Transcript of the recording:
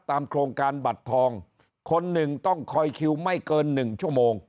โครงการบัตรทองคนหนึ่งต้องคอยคิวไม่เกินหนึ่งชั่วโมง